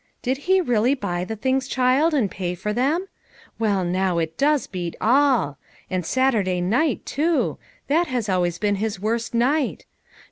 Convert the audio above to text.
Did he really buy the things, child, and pay for them ? Well, now, it does beat all ! And Saturday night, too ; that has always been his worst night.